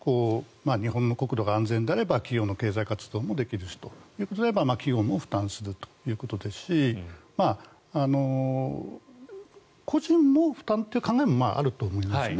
日本の国土が安全であれば企業の経済活動もできるし企業も負担するということですし個人の負担という考えもあると思いますね。